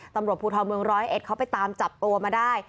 ตำรวจภูทาเมือง๑๐๑เขาไปตามจับตัวมาได้